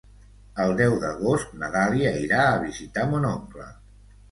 El deu d'agost na Dàlia irà a visitar mon oncle.